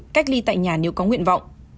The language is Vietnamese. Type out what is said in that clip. cách ly tại nhà nếu có nguyện vọng